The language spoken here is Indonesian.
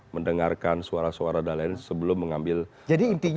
mendengarkan suara suara dan lain lain sebelum mengambil inti